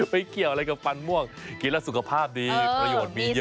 ไปเกี่ยวอะไรกับฟันม่วงกินแล้วสุขภาพดีประโยชน์มีเยอะ